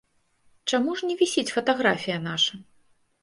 Чаму ж не вісіць фатаграфія наша?